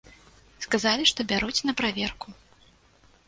Сказалі, што бяруць на праверку.